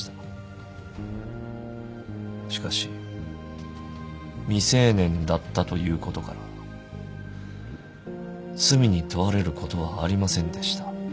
しかし未成年だったということから罪に問われることはありませんでした。